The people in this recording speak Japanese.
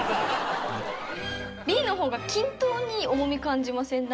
Ｂの方が均等に重み感じません？